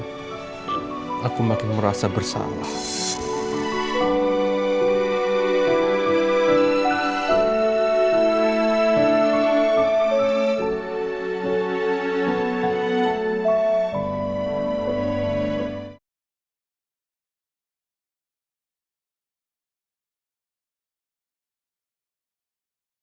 ternyata masih bisa menghargai aku